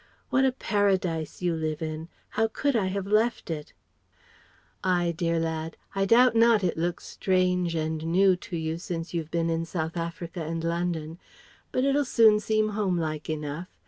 "What a paradise you live in! How could I have left it?" "Ay, dear lad; I doubt not it looks strange and new to you since you've been in South Africa and London. But it'll soon seem homelike enough.